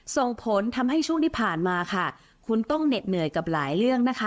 ส่งผลทำให้ช่วงที่ผ่านมาค่ะคุณต้องเหน็ดเหนื่อยกับหลายเรื่องนะคะ